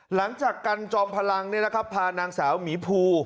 หลังจากกันจอมพลังพานางสาวหมีภู